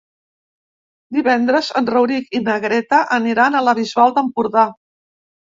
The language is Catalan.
Divendres en Rauric i na Greta aniran a la Bisbal d'Empordà.